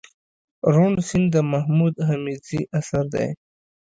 روڼ سيند دمحمود حميدزي اثر دئ